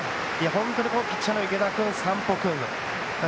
本当にピッチャーの池田君、山保君。